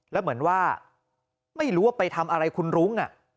แล้วเหมือนว่าไม่รู้ว่าไปทำอะไรคุณรุ้ง